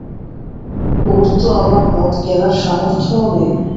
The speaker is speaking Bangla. ওর তো আমার মদ কেনার সামর্থ্যও নেই।